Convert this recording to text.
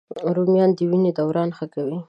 رومیان د وینې دوران ښه کوي